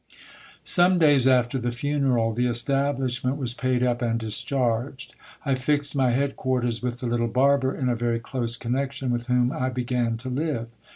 Some days after the funeral, the establishment was paid up and discharged. I fixed my head quarters with the little barber, in a very close connection with whom I began to live.